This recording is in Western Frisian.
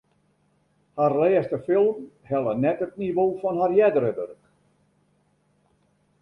Har lêste film helle net it nivo fan har eardere wurk.